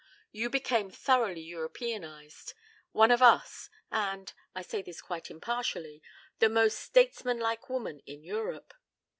You became thoroughly Europeanized, one of us, and I say this quite impartially the most statesman like woman in Europe.